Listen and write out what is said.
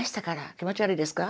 気持ち悪いですか？